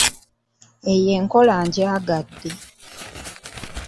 Eyo enkola ngyagadde.